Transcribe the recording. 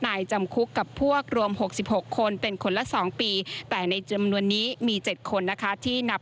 นายจำคุกกับพวกรวมหกสิบหกคนเป็นคนละสองปีแต่ในจำนวนนี้มีเจ็ดคนนะคะที่นับ